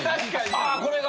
あこれが。